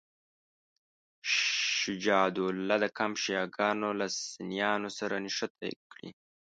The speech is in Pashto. شجاع الدوله د کمپ شیعه ګانو له سنیانو سره نښته کړې.